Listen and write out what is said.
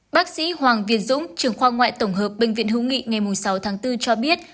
bác sĩ hoàng việt dũng trưởng khoa ngoại tổng hợp bệnh viện hữu nghị ngày sáu tháng bốn cho biết